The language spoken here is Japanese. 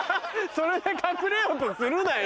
それで隠れようとするなよ！